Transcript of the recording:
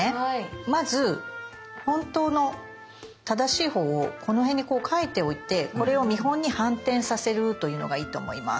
まず本当の正しいほうをこの辺にこう描いておいてこれを見本に反転させるというのがいいと思います。